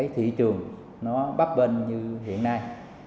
thị trường bắp bên như hiện nay